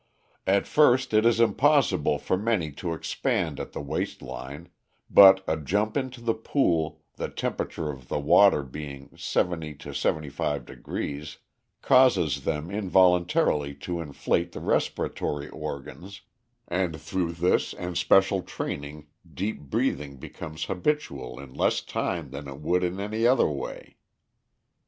"At first it is impossible for many to expand at the waist line; but a jump into the pool, the temperature of the water being 70° to 75°, causes them involuntarily to inflate the respiratory organs, and through this and special training deep breathing becomes habitual in less time than it would in any other way.